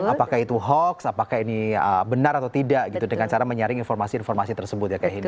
apakah itu hoax apakah ini benar atau tidak gitu dengan cara menyaring informasi informasi tersebut ya